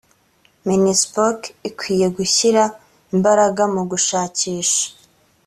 minispoc ikwiye gushyira imbaraga mu gushakisha